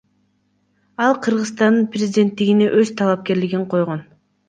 Ал Кыргызстандын президенттигине өз талапкерлигин койгон.